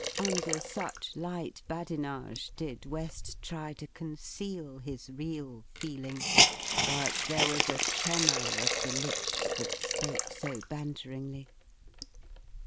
Under such light badinage did West try to conceal his real feeling but there was a tremour of the lips that spoke so banteringly.